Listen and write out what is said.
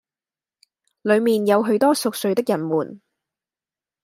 裏面有許多熟睡的人們，